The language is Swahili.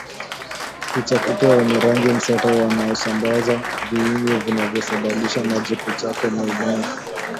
Picha Kupe wenye rangi mseto wanaosambaza viini vinavyosababisha maji kujaa kwenye moyo